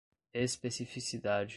especificidade